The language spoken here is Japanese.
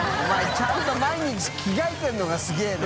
ちゃんと毎日着替えてるのがすごいな。